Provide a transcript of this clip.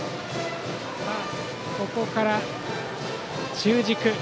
ここから中軸。